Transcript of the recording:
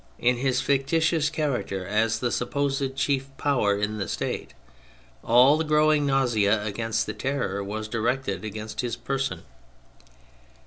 In his fictitious character as the supposed chief power in the State, all the growing nausea against the Terror was directed against his person.